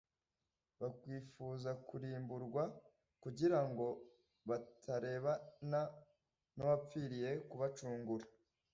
Bakwifuza kurimburwa kugira ngo batarebana nuwapfiriye kubacungura